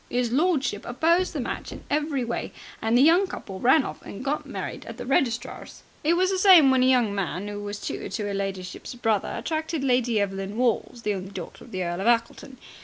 His lordship opposed the match in every way, and the young couple ran off and got married at a registrar's. It was the same when a young man who was tutor to 'er ladyship's brother attracted Lady Evelyn Walls, the only daughter of the Earl of Ackleton.